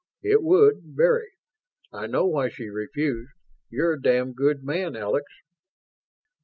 "It would, very. I know why she refused. You're a damned good man, Alex."